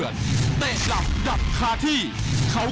สวัสดีครับ